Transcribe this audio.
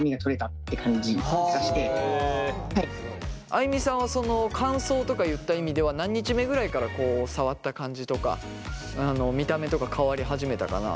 あいみさんはその乾燥とかいった意味では何日目ぐらいから触った感じとか見た目とか変わり始めたかな？